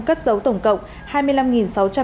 cất dấu tổng cộng hai mươi năm sáu trăm linh